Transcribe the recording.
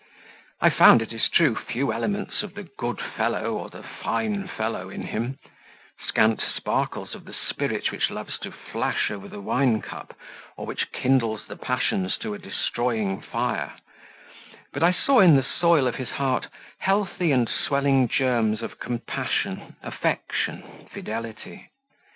I found, it is true, few elements of the "good fellow" or the "fine fellow" in him; scant sparkles of the spirit which loves to flash over the wine cup, or which kindles the passions to a destroying fire; but I saw in the soil of his heart healthy and swelling germs of compassion, affection, fidelity.